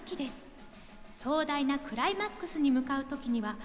壮大なクライマックスに向かう時には特に欠かせません。